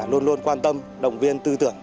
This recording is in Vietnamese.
luôn luôn quan tâm động viên tư tưởng